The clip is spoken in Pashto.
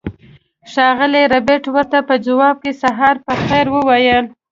ښاغلي ربیټ ورته په ځواب کې سهار په خیر وویل